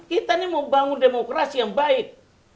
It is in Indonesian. kita ini mau bangun demokrasi yang baik